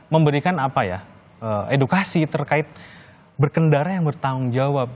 memberikan edukasi terkait berkendara yang bertanggung jawab